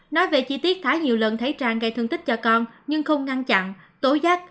nói về chi tiết thả nhiều lần thấy trang gây thương tích cho con nhưng không ngăn chặn tố giác